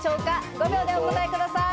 ５秒でお答えください。